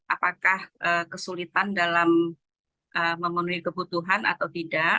apakah kesulitan dalam memenuhi kebutuhan atau tidak